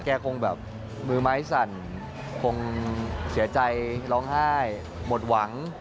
คงแบบมือไม้สั่นคงเสียใจร้องไห้หมดหวัง